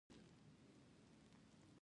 له کبره هر چا ته بدې خبرې کوي.